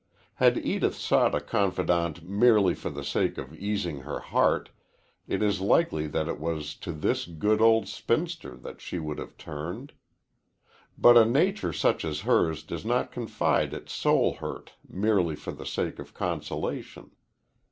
Had Edith sought a confidante merely for the sake of easing her heart, it is likely that it was to this good old spinster that she would have turned. But a nature such as hers does not confide its soul hurt merely for the sake of consolation.